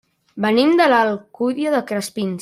Venim de l'Alcúdia de Crespins.